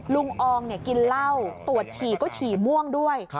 อองกินเหล้าตรวจฉี่ก็ฉี่ม่วงด้วย